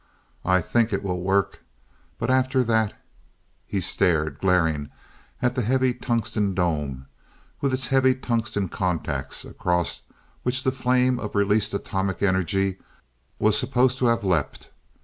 "I think it will work. But after that " He stared, glaring, at the heavy tungsten dome with its heavy tungsten contacts, across which the flame of released atomic energy was supposed to have leapt.